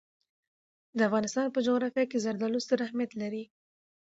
د افغانستان په جغرافیه کې زردالو ستر اهمیت لري.